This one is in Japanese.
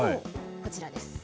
こちらです。